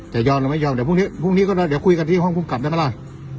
เดี๋ยวผมลองคุยกับน้องรูปรักษณ์ครับ